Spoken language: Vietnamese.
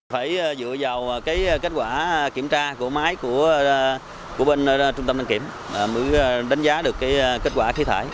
phải dựa vào kết quả kiểm tra của máy của bên trung tâm đăng kiểm mới đánh giá được kết quả khí thải